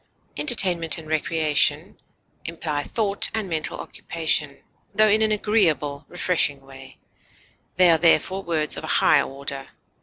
Entertainment and recreation imply thought and mental occupation, tho in an agreeable, refreshing way; they are therefore words of a high order.